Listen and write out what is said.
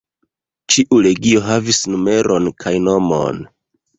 Ĉiu legio havis numeron kaj nomon.